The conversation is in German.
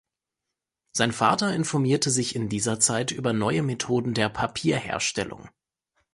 Sein Vater informierte sich in dieser Zeit über neue Methoden der Papierherstellung.